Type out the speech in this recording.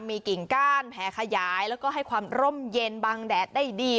มีกิ่งก้านแผลขยายแล้วก็ให้ความร่มเย็นบางแดดได้ดี